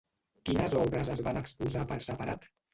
Quines obres es van exposar per separat?